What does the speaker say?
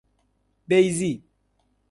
بیضی